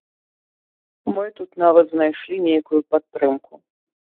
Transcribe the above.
Мы тут нават знайшлі нейкую падтрымку.